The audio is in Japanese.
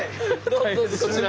どうぞどうぞこちらに。